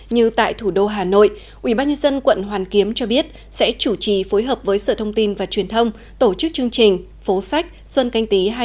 như tại thủ đô hà nội ubnd quận hoàn kiếm cho biết sẽ chủ trì phối hợp với sở thông tin và truyền thông tổ chức chương trình phố sách xuân canh tí hai nghìn hai mươi